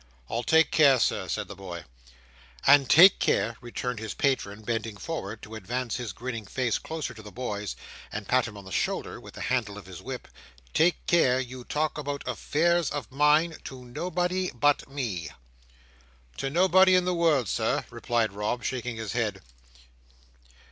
"I'll take care, Sir," said the boy. "And take care," returned his patron, bending forward to advance his grinning face closer to the boy's, and pat him on the shoulder with the handle of his whip: "take care you talk about affairs of mine to nobody but me." "To nobody in the world, Sir," replied Rob, shaking his head.